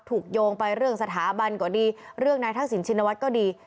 โยงไปเรื่องสถาบันก็ดีเรื่องนายทักษิณชินวัฒน์ก็ดี